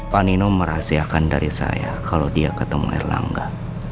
pak nino merahasiakan dari saya kalau dia ketemu erlangga